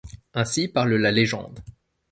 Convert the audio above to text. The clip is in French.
Ainsi parle la légende.